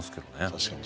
確かに。